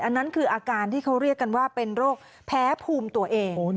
อันนั้นคืออาการที่เขาเรียกกันว่าเป็นโรคแพ้ภูมิตัวเอง